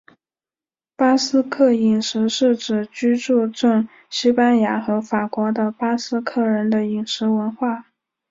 巴斯克饮食是指居住证西班牙和法国的巴斯克人的饮食文化。